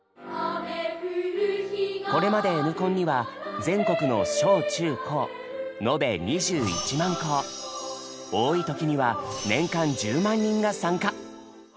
これまで「Ｎコン」には全国の小・中・高多い時には年間１０万人が参加。